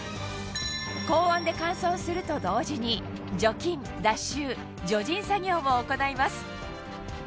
高温で乾燥すると同時に除菌脱臭除塵作業も行います